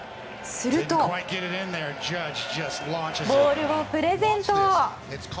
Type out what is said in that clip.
するとボールをプレゼント。